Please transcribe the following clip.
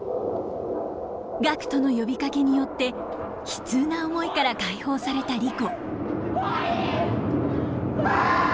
ガクトの呼びかけによって悲痛な思いから解放されたリコ。